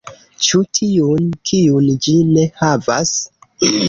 Ĉu tiun, kiun ĝi ne havas?